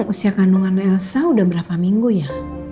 usia kandungan elsa sudah berapa minggu ya